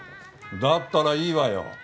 だったらいいわよ！